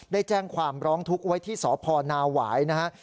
ได้แจ้งความร้องทุกข์ไว้ที่สพนาหวายนะฮะ